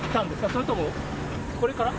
それともこれから？